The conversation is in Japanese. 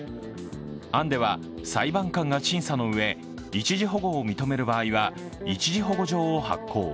案では裁判官が審査のうえ、一時保護を認める場合は一時保護状を発行。